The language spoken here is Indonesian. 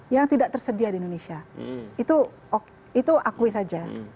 yang tidak tersedia di indonesia itu akui saja